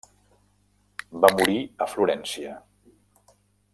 Va morir a Florència.